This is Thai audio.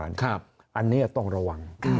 อันนี้ต้องระวัง